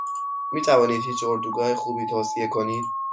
میتوانید هیچ اردوگاه خوبی توصیه کنید؟